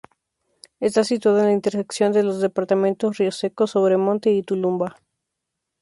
Está situada en la intersección de los departamentos Río Seco, Sobremonte y Tulumba.